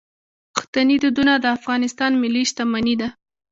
پښتني دودونه د افغانستان ملي شتمني ده.